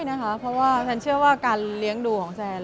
ไม่นะคะเพราะฉนเชื่อว่าการเลี้ยงดูของฉัน